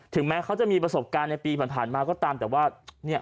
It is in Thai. แม้เขาจะมีประสบการณ์ในปีผ่านมาก็ตามแต่ว่าเนี่ย